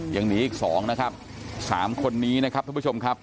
ยังหนีอีก๒นะครับ๓คนนี้นะครับท่านผู้ชมครับ